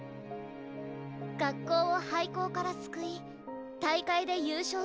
学校を廃校から救い大会で優勝するまでに。